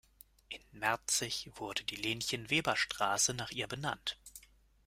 In Merzig wurde die Lenchen-Weber-Straße nach ihr benannt.